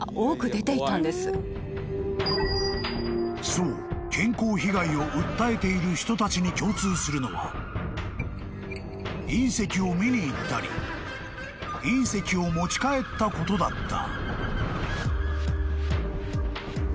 ［そう健康被害を訴えている人たちに共通するのは隕石を見に行ったり隕石を持ち帰ったことだった］